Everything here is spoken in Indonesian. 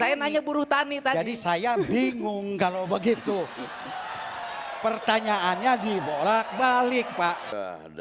saya nanya buruh tani tadi saya bingung kalau begitu pertanyaannya dibolak balik pak